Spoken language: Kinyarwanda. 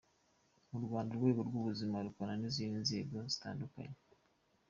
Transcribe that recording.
Mu Rwanda urwego rw’ubuzima rukorana n’izindi nzego zitandukanye.